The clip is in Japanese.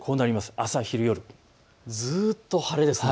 朝昼夜、ずっと晴れですね。